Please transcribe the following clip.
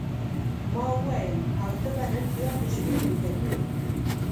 ما وویل: او ته به نن بیا د شپې نوکري یې.